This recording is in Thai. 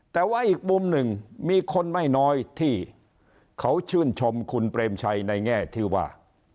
แต่ว่าอีกมุมหนึ่งมีคนไม่น้อยที่เขาชื่นชมคุณเปรมชัยในแง่ที่ว่า